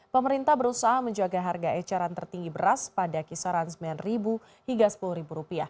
pemerintah berusaha menjaga harga eceran tertinggi beras pada kisaran rp sembilan hingga rp sepuluh